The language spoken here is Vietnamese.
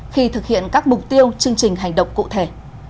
khi thực hiện các mục tiêu chương trình hành động cụ thể